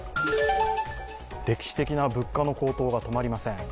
歴史的な物価の高騰が止まりません。